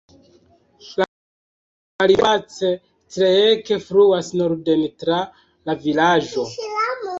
La rivereto Back Creek fluas norden tra la vilaĝo.